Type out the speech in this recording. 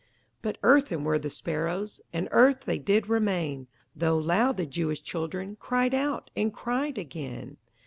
But earthen were the sparrows, And earth they did remain, Though loud the Jewish children Cried out, and cried again.